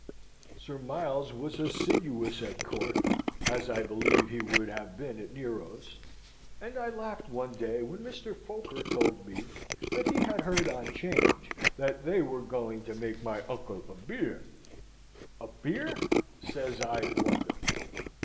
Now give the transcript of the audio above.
Sir Miles was assiduous at court (as I believe he would have been at Nero's), and I laughed one day when Mr. Foker told me that he had heard on 'Change "that they were going to make my uncle a Beer." "A Beer?" says I in wonder.